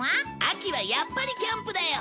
秋はやっぱりキャンプだよ